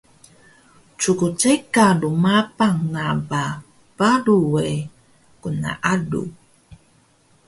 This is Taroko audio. Ckceka rmabang na ba paru we gnaalu